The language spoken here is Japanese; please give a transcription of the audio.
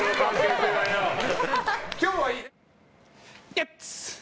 ゲッツ！